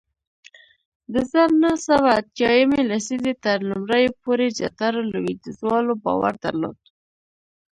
د زر نه سوه اتیا یمې لسیزې تر لومړیو پورې زیاترو لوېدیځوالو باور درلود